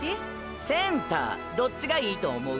センターどっちがいいと思う？